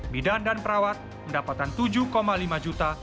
bidan dan perawat mendapatkan tujuh lima juta